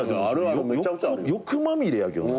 欲まみれやけどな。